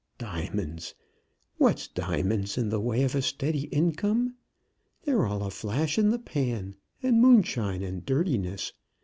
Diamonds! What's diamonds in the way of a steady income? They're all a flash in the pan, and moonshine and dirtiness.